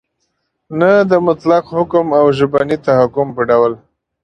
نه د مطلق حکم او ژبني تحکم په ډول